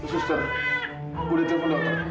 suster aku udah telepon dokter